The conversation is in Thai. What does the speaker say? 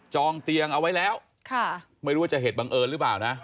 องเตียงเอาไว้แล้วไม่รู้ว่าจะเหตุบังเอิญหรือเปล่านะ